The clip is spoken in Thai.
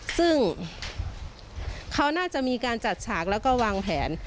ซึ่งเขาน่าจะมีการจัดฉากแล้วก็วางแผน